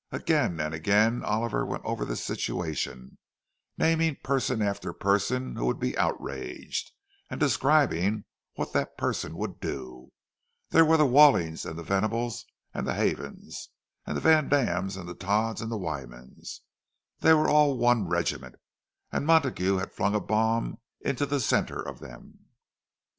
Again and again Oliver went over the situation, naming person after person who would be outraged, and describing what that person would do; there were the Wallings and the Venables and the Havens, the Vandams and the Todds and the Wymans—they were all one regiment, and Montague had flung a bomb into the centre of them!